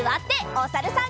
おさるさん。